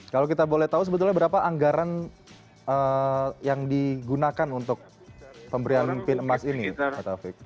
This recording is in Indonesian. kalau kita boleh tahu sebetulnya berapa anggaran yang digunakan untuk pemberian mimpin emas ini pak taufik